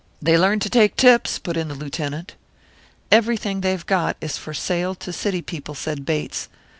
"They learn to take tips!" put in the Lieutenant. "Everything they've got is for sale to city people," said Bates.